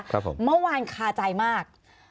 ครับผมเมื่อวานคาใจมาก